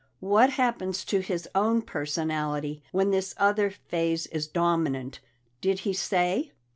What happens to his own personality when this other phase is dominant? Did he say?"